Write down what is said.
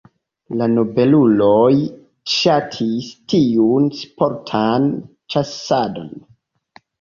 La nobeluloj ŝatis tiun sportan ĉasadon.